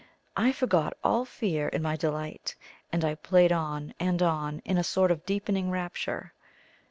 I forgot all fear in my delight, and I played on and on in a sort of deepening rapture.